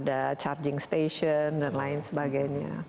ada charging station dan lain sebagainya